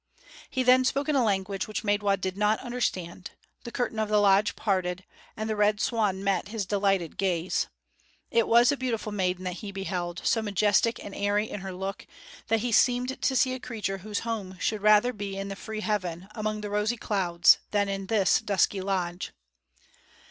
He then spoke in a language which Maidwa did not understand, the curtain of the lodge parted, and the Red Swan met his delighted gaze. It was a beautiful maiden that he beheld, so majestic and airy in her look, that he seemed to see a creature whose home should rather be in the free heaven, among the rosy clouds, than in this dusky lodge.